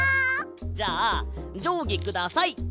じゃあじょうぎください！